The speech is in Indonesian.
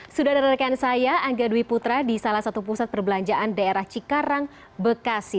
sudah ada rekan saya angga dwi putra di salah satu pusat perbelanjaan daerah cikarang bekasi